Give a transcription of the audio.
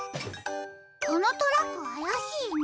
このトラックあやしいな。